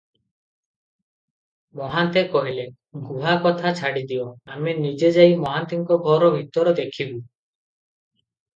ମହନ୍ତେ କହିଲେ, "ଗୁହା କଥା ଛାଡ଼ିଦିଅ, ଆମେ ନିଜେ ଯାଇ ମହାନ୍ତିଙ୍କ ଘର ଭିତର ଦେଖିବୁଁ ।